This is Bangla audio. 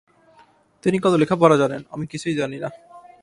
তিনি কত লেখাপড়া জানেন, আমি কিছুই জানি না।